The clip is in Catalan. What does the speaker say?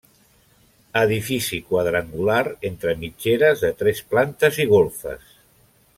Edifici quadrangular entre mitgeres, de tres plantes i golfes.